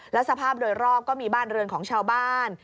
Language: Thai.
แล้วสภาพโดยรอบก็มีบ้านเรือนของชาวบ้าน